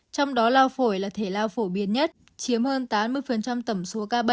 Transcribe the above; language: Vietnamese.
trong đó lao phổi là thể lao phổ biến nhất chiếm hơn tám mươi tổng số ca bệnh